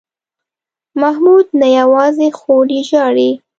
محمود نه یوازې خور یې ژاړي.